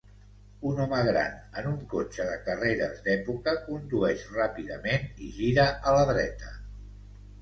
Un home gran en un cotxe de carreres d'època condueix ràpidament i gira a la dreta.